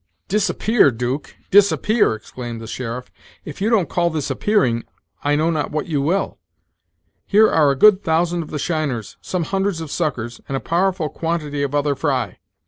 "Disappear, Duke! disappear!" exclaimed the sheriff "if you don't call this appearing, I know not what you will. Here are a good thousand of the shiners, some hundreds of suckers, and a powerful quantity of other fry.